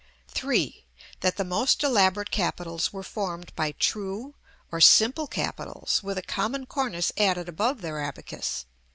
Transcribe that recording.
That the most elaborate capitals were formed by true or simple capitals with a common cornice added above their abacus.